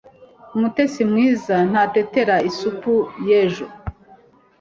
umutetsi mwiza ntaterera isupu y'ejo